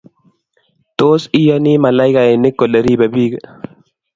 Tos, iyani malaikainik kole ribe biik?